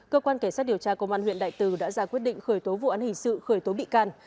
cơ quan cảnh sát điều tra công an huyện đại từ đã ra quyết định khởi tố vụ án hình sự khởi tố bị can